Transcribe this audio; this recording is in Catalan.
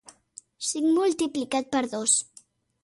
Cinc multiplicat per dos.